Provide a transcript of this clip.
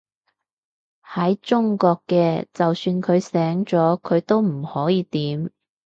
喺中國嘅，就算佢醒咗，佢都唔可以點